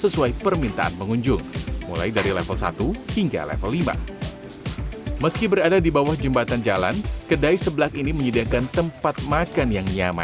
sampai jumpa di video selanjutnya